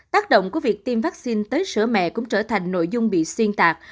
tác động của việc tiêm vaccine tới sữa mẹ cũng trở thành nội dung bị xuyên tạc